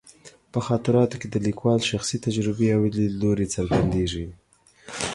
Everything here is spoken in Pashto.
په خاطراتو کې د لیکوال شخصي تجربې او لیدلوري څرګندېږي.